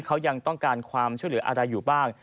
เขายังต้องการความช่วยเหลืออะไรอยู่บ้าง